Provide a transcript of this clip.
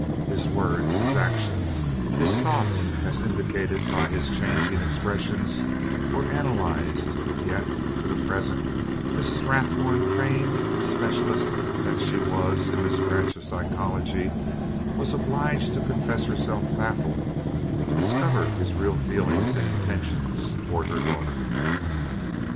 His words, his actions, his thoughts, as indicated by his changing expressions, were analyzed, yet, to the present, Mrs. Rathburn, trained specialist that she was in this branch of psychology, was obliged to confess herself baffled to discover his real feelings and intentions toward her daughter.